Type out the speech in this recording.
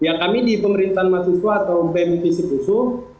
biar kami di pemerintahan mahasiswa atau pmvc khusus